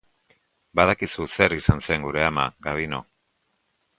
Badakizu zer izan zen gure ama, Gabino.